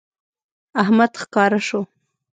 احمد ښکاره شو